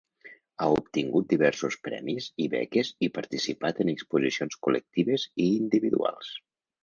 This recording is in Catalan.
Ha obtingut diversos premis i beques i participat en exposicions col·lectives i individuals.